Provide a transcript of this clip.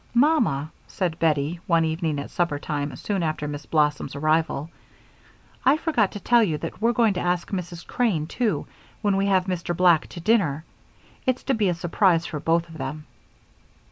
"Mamma," said Bettie, one evening at supper time, soon after Miss Blossom's arrival, "I forgot to tell you that we're going to ask Mrs. Crane, too, when we have Mr. Black to dinner. It's to be a surprise for both of them."